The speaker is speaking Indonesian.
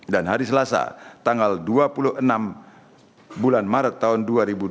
dan hari selasa tanggal dua puluh enam bulan maret tahun dua ribu dua puluh empat